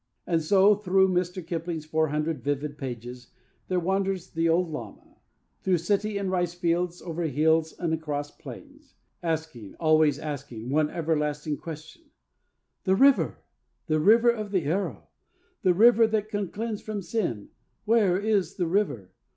And so, through Mr. Kipling's four hundred vivid pages, there wanders the old lama, through city and rice fields, over hills and across plains, asking, always asking, one everlasting question: 'The River; the River of the Arrow; the River that can cleanse from Sin; where is the River?